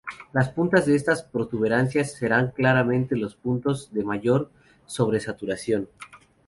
Las puntas de estas protuberancias serán claramente los puntos de mayor sobresaturación.